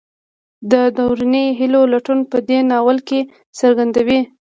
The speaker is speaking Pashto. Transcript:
د دروني هیلو لټون په دې ناول کې څرګند دی.